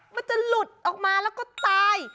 มันจะหลุดออกมาแล้วก็ตาย